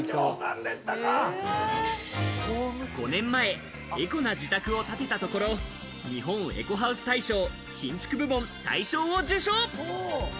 ５年前、エコな自宅を建てたところ、日本エコハウス大賞、新築部門大賞を受賞。